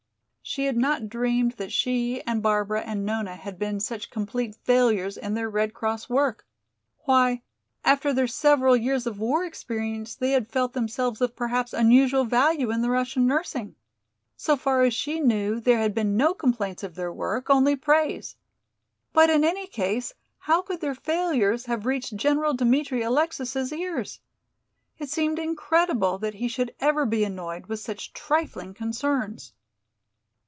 She had not dreamed that she and Barbara and Nona had been such complete failures in their Red Cross work. Why, after their several years of war experience they had felt themselves of perhaps unusual value in the Russian nursing. So far as she knew there had been no complaints of their work, only praise. But in any case how could their failures have reached General Dmitri Alexis' ears? It seemed incredible that he should ever be annoyed with such trifling concerns.